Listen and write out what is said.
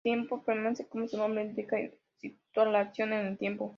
El tiempo permite, como su nombre indica, situar la acción en el tiempo.